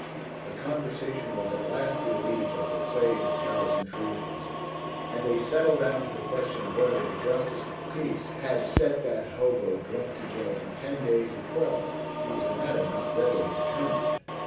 The conversation was at last relieved of the plague of Carol's intrusions and they settled down to the question of whether the justice of the peace had sent that hobo drunk to jail for ten days or twelve. It was a matter not readily determined.